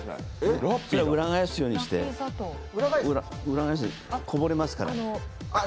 裏返すようにして、こぼれますから。